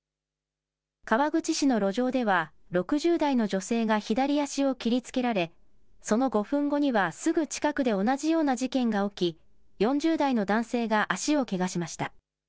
川口市の路上では６０代の女性が左足を切りつけられ、その５分後にはすぐ近くで同じような事件が起き、４０代の男性が足をけがしました。